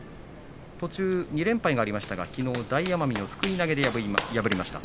途中、２連敗がありましたがきのう大奄美をすくい投げで破りました。